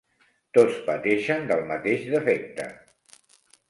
Tots pateixen del mateix defecte.